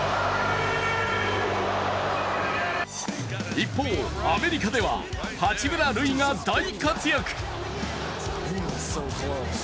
一方、アメリカでは八村塁が大活躍。